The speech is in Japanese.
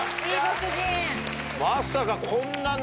まさか。